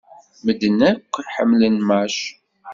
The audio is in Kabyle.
Medden akk ḥemmlen Mac.